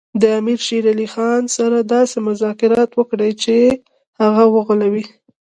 د امیر شېر علي خان سره داسې مذاکرات وکړي چې هغه وغولوي.